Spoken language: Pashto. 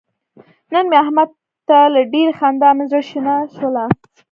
نن مې احمد ته له ډېرې خندا مې زره شنه شوله.